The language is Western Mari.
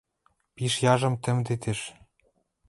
Пиш яжом тымдетӹш...